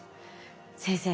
先生